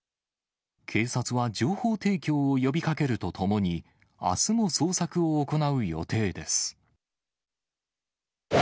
警察は情報提供を呼びかけるとともに、あすも捜索を行う予定です。